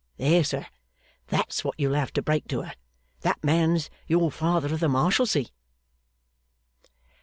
There sir! That's what you'll have to break to her. That man's your Father of the Marshalsea!